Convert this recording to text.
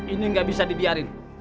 ini gak bisa dibiarin